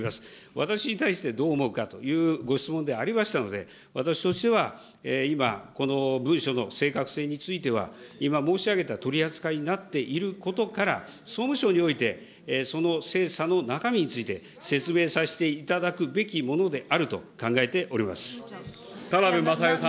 私に対してどう思うかというご質問でありましたので、私としては今、この文書の正確性については、今申し上げた取り扱いになっていることから、総務省において、その精査の中身について、説明させていただくべきものであると考え田名部匡代さん。